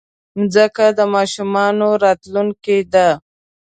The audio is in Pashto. مځکه د ماشومانو راتلونکی ده.